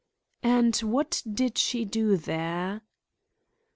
"And what did she do there?"